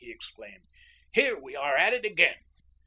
he exclaimed. "Here we are at it again!"